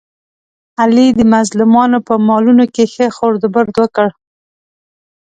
علي د مظلومانو په مالونو کې ښه خورد برد وکړ.